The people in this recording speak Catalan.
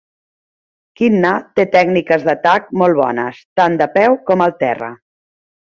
Qinna té tècniques d"atac molt bones, tant de peu com al terra.